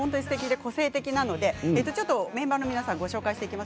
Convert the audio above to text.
個性的なのでメンバーの皆さんご紹介していきます。